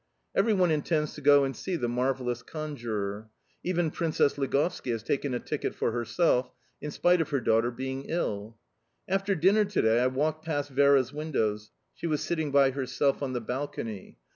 Everyone intends to go and see the marvellous conjurer; even Princess Ligovski has taken a ticket for herself, in spite of her daughter being ill. After dinner to day, I walked past Vera's windows; she was sitting by herself on the balcony.